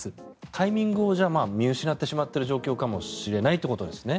タイミングを見失ってしまっている状況かもしれないということですね。